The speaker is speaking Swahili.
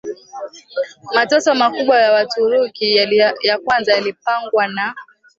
mateso makubwa ya Waturuki yakaanza Walipangwa na